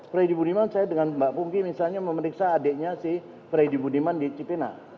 freddy budiman saya dengan mbak pungki misalnya memeriksa adiknya si freddy budiman di cipina